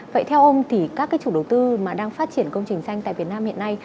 vậy theo ông thì các chủ đầu tư đang phát triển công trình xanh tại việt nam hiện nay